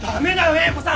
映子さん